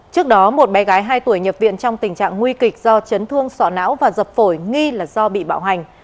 trước đó một bé gái hai tuổi nhập viện trong tình trạng nguy kịch do chấn thương sọ não và dập phổi nghi là do bị bạo hành